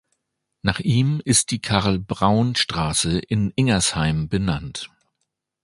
Nach ihm ist die Karl-Braun-Straße in Ingersheim benannt.